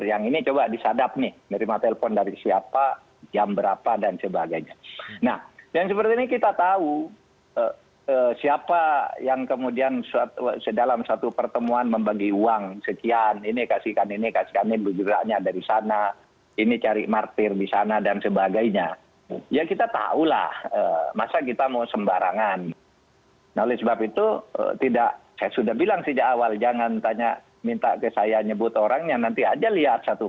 yang kemudian terbukti